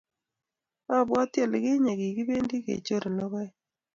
Abwati olikinye kikipendi kechor lokoek